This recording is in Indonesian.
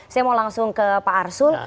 saya mau langsung ke pak arsul